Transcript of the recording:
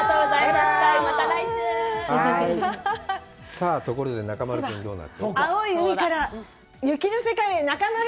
さあ、ところで中丸君、どうなってる？